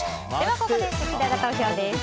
ここでせきらら投票です。